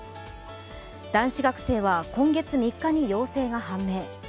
男子学生は今月３日に陽性が判明。